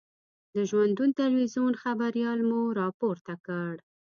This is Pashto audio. د ژوندون تلویزون خبریال مو را پورته کړ.